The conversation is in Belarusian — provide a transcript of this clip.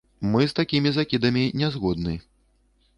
Мы з такімі закідамі не згодны.